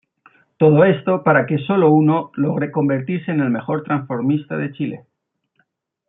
Todo esto, para que solo uno logre convertirse en el mejor transformista de Chile.